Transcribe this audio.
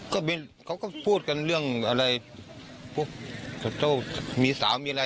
ก็แบบนี้เขาก็พูดกันเรื่องอะไรอ่ะโเหตุโจ้มี่สามิอะไรกันอยากมีเลย